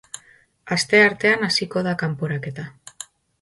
Asteartean hasiko da kanporaketa.